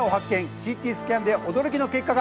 ＣＴスキャンで驚きの結果が。